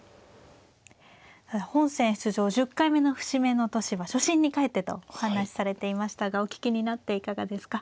本戦出場１０回目の節目の年は初心に帰ってとお話しされていましたがお聞きになっていかがですか。